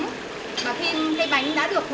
thì cả hai bên mặt đều phải là vàng